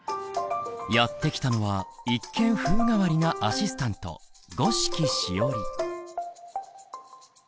やって来たのは一見風変わりなアシスタント五色しおり。